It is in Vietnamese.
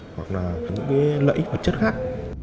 hoặc là những lợi ích hoạt chất khác